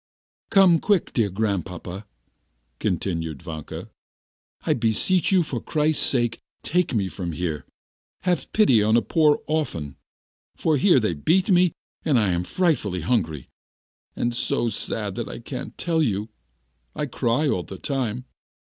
"Come quick, dear Grandpapa," continued Vanka, "I beseech you for Christ's sake take me from here. Have pity on a poor orphan, for here they beat me, and I am frightfully hungry, and so sad that I can't tell you, I cry all the time.